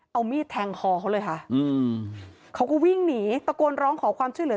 เอามีดแทงคอเขาเลยค่ะอืมเขาก็วิ่งหนีตะโกนร้องขอความช่วยเหลือ